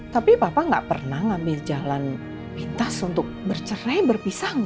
tapi papa gak pernah ngambil jalan pintas untuk bercerai berpisah gak